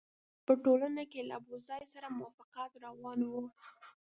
په ټولنه کې له ابوزید سره موافقت روان وو.